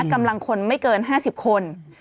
กำลังคนไม่เกิน๕๐คน